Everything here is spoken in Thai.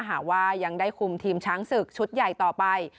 หากว่ายังได้คุมทีมช้างศึกชุดใหญ่ต่อไป